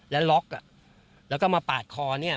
แล้วล็อกแล้วก็มาปาดคอเนี่ย